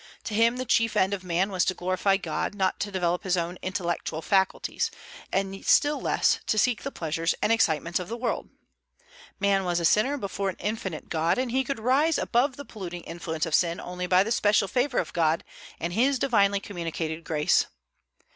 To him the chief end of man was to glorify God, not to develop his own intellectual faculties, and still less to seek the pleasures and excitements of the world. Man was a sinner before an infinite God, and he could rise above the polluting influence of sin only by the special favor of God and his divinely communicated grace.